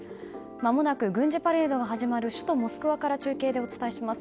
まもなく軍事パレードが始まる首都モスクワから中継でお伝えします。